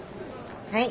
はい。